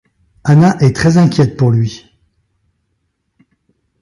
Anna est très inquiète pour lui.